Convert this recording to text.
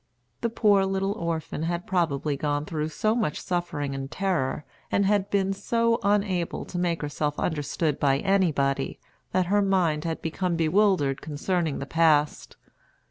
The poor little orphan had probably gone through so much suffering and terror, and been so unable to make herself understood by anybody, that her mind had become bewildered concerning the past.